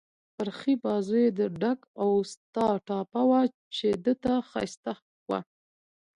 پر ښي بازو يې د ډک اوسټا ټاپه وه، چې ده ته ښایسته وه.